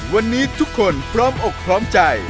วันนี้ทุกคนพร้อมอกพร้อมใจ